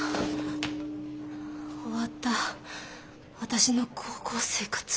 終わった私の高校生活。